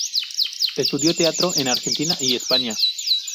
Estudió teatro en Argentina y España.